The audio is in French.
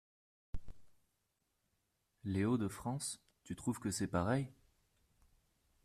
Les Hauts-de-France? Tu trouves que c’est pareil ?